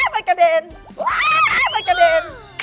มันกระเด็น